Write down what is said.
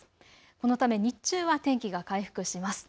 このため日中は天気が回復します。